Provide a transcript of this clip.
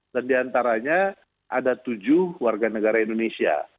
dan di antaranya ada tujuh warga negara indonesia